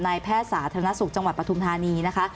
แพทย์สาธารณสุขจังหวัดปฐุมธานีนะคะ